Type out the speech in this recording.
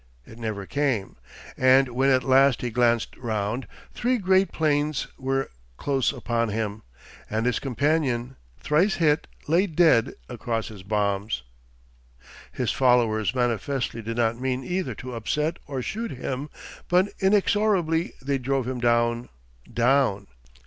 It never came, and when at last he glanced round, three great planes were close upon him, and his companion, thrice hit, lay dead across his bombs. His followers manifestly did not mean either to upset or shoot him, but inexorably they drove him down, down.